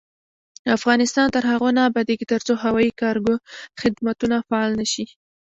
افغانستان تر هغو نه ابادیږي، ترڅو هوایي کارګو خدمتونه فعال نشي.